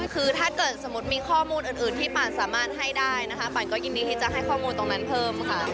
คือถ้าเกิดสมมุติมีข้อมูลอื่นที่ปั่นสามารถให้ได้นะคะปั่นก็ยินดีที่จะให้ข้อมูลตรงนั้นเพิ่มค่ะ